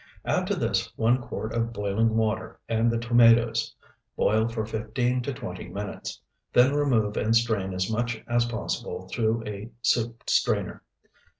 Add to this one quart of boiling water and the tomatoes. Boil for fifteen to twenty minutes. Then remove and strain as much as possible through a soup strainer.